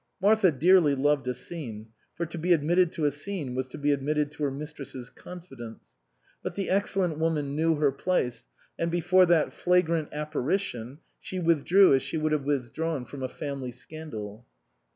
Martha dearly loved a scene, for to be admitted to a scene was to be admitted to her mistress's confidence ; but the excellent woman knew her place, and before that flagrant apparition she withdrew as she would have withdrawn from a family scandal.